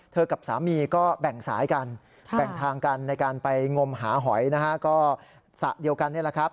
กับสามีก็แบ่งสายกันแบ่งทางกันในการไปงมหาหอยนะฮะก็สระเดียวกันนี่แหละครับ